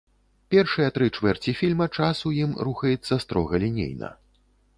Першыя тры чвэрці фільма час у ім рухаецца строга лінейна.